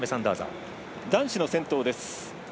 男子の先頭です。